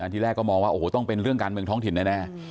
ที่แรกก็มองว่าโอ้โหต้องเป็นเรื่องการเมืองท้องถิ่นแน่